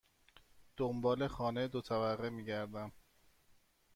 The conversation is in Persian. دنبال خانه دو طبقه می گردم.